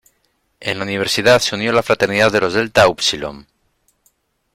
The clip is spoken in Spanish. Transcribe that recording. En la universidad se unió a la fraternidad de los Delta Upsilon.